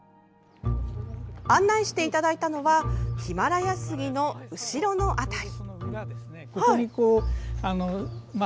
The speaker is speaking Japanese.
案内していただいたのはヒマラヤスギの後ろの辺り。